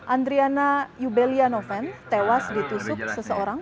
andriana yubelianoven tewas ditusuk seseorang